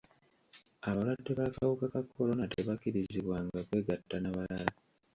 Abalwadde b'akawuka ka kolona tebakkirizibwanga kwegatta na balala.